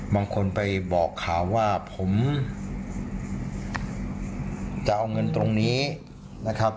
บางคนไปบอกข่าวว่าผมจะเอาเงินตรงนี้นะครับ